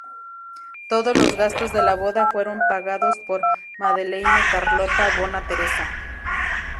Todos los gastos de la boda fueron pagados por Madeleine Carlota Bona Teresa.